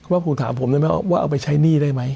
ว่าผมถามผมได้ไหมว่าเอาไปใช้หนี้ได้ไหม